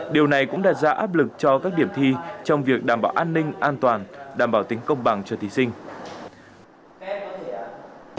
điều này cũng đặt ra áp lực cho các điểm thi trong việc đảm bảo an ninh an toàn đảm bảo tính công bằng cho thí sinh